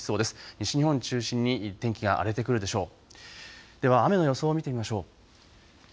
西日本中心に天気が荒れてくるでしょう。